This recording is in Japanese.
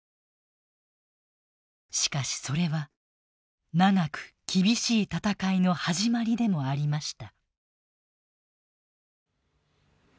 しかしそれは長く厳しい戦いの始まりでもありました。